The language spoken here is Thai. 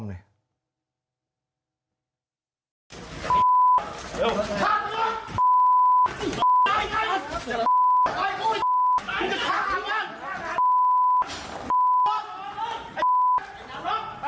ฆ่าตัว